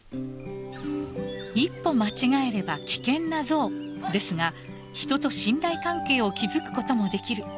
一歩間違えれば危険な象ですが人と信頼関係を築くこともできる。